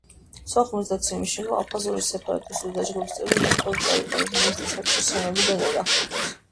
სოხუმის დაცემის შემდეგ აფხაზური სეპარატისტული დაჯგუფების წევრებმა ტყვედ აიყვანეს მინისტრთა საბჭოს შენობიდან და დახვრიტეს.